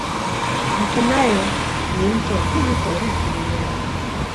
mto nile ni mto wa pili kwa urefu duniani